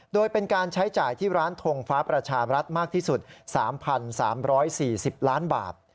โดยเป็นการใช้จ่ายที่ร้านทงฟ้าประชารัฐมากที่สุด๓๓๔๐ล้านบาท